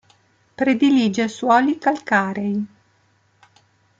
Predilige suoli calcarei.